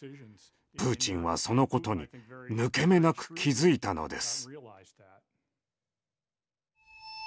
プーチンはそのことに抜け目なく気付いたのです。